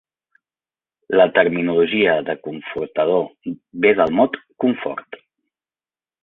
La terminologia de confortador ve del mot confort.